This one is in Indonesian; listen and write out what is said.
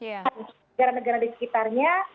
untuk negara negara di sekitarnya